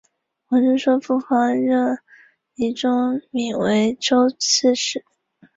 金融行政则移交给内阁府新设外局金融厅。